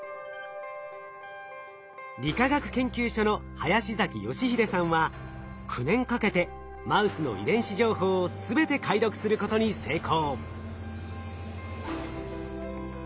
理化学研究所の林崎良英さんは９年かけてマウスの遺伝子情報を全て解読することに成功。